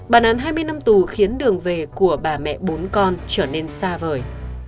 bản án hai mươi năm tù khiến đường về của bà mẹ bốn con trở nên xa vời